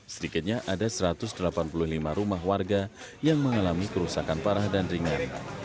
sedikitnya ada satu ratus delapan puluh lima rumah warga yang mengalami kerusakan parah dan ringan